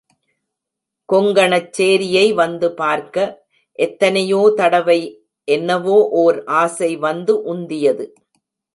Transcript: கொங்கணச் சேரியை வந்து பார்க்க, எத்தனையோ தடவை என்னவோ ஓர் ஆசை வந்து உந்தியது.